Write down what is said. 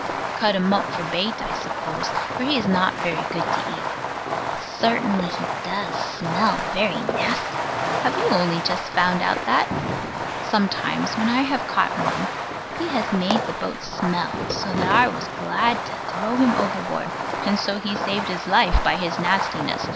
Cut him up for bait, I suppose, for he is not very good to eat. Certainly, he does smell very nasty. Have you only just found out that? Sometimes when I have caught one, he has made the boat smell so that I was glad to throw him overboard, and so he saved his life by his nastiness.